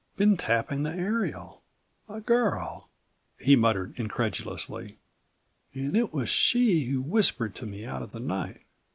"Been tapping the aerial. A girl!" he muttered incredulously. "And it was she who whispered to me out of the night."